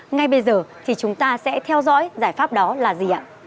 ngay bây giờ thì chúng ta sẽ theo dõi giải pháp đó là gì ạ